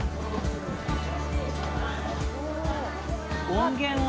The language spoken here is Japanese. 音源は？